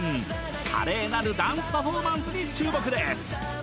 華麗なるダンスパフォーマンスに注目です！